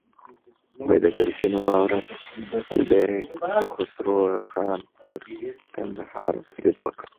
د ګرګین وراره کیخسرو خان پر کندهار برید وکړ.